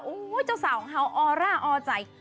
้อูยจะาสาของเขาเออยร่าเอ่อใจ